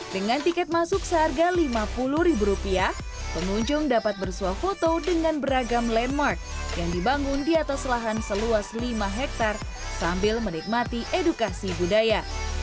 bisa foto dengan beragam landmark yang dibangun di atas lahan seluas lima hektare sambil menikmati edukasi budaya